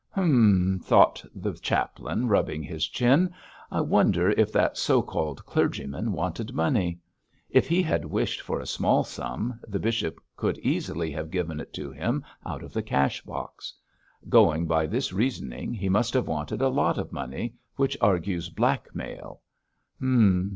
'Hum!' thought the chaplain, rubbing his chin, 'I wonder if that so called clergyman wanted money. If he had wished for a small sum, the bishop could easily have given it to him out of the cash box. Going by this reasoning, he must have wanted a lot of money, which argues blackmail. Hum!